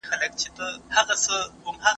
شريف الله شرافت احسان الله جرس